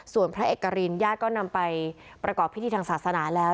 ส่วนพระเอกรินญาติก็นำไปประกอบพิธีทางศาสนาแล้ว